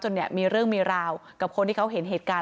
เนี่ยมีเรื่องมีราวกับคนที่เขาเห็นเหตุการณ์